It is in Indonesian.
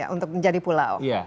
untuk menjadi pulau